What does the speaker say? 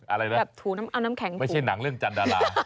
อะไรนะไม่ใช่หนังเรื่องจันดาลา